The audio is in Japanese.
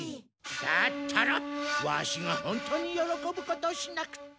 だったらワシが本当によろこぶことをしなくっちゃ。